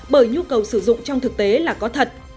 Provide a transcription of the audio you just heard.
bởi nhu cầu sử dụng trong thực tế là có thật